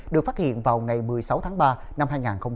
được phát hiện vào ngày một mươi sáu tháng ba năm hai nghìn hai mươi